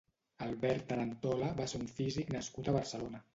Albert Tarantola va ser un físic nascut a Barcelona.